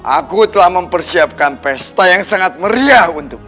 aku telah mempersiapkan pesta yang sangat meriah untukmu